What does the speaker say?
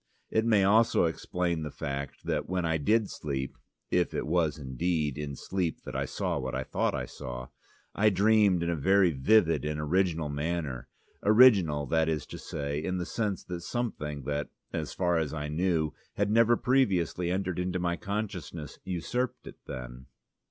It may also explain the fact that when I did sleep (if it was indeed in sleep that I saw what I thought I saw) I dreamed in a very vivid and original manner, original, that is to say, in the sense that something that, as far as I knew, had never previously entered into my consciousness, usurped it then.